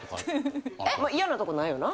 嫌なとこないよな？